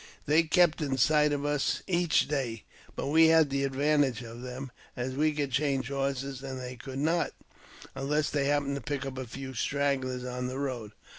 They kept in sight of us each day, but we had the advantage of them, as we could change horses and they could not, unless they happened to pick up a few stragglers on the road.